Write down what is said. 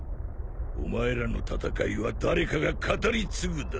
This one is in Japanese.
お前らの戦いは誰かが語り継ぐだろう。